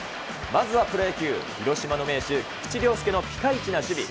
まずはプロ野球・広島の名手、菊池涼介のピカイチな守備。